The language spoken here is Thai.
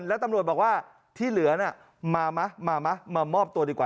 แล้วตำรวจบอกว่าที่เหลือน่ะมาไหมมามอบตัวดีกว่า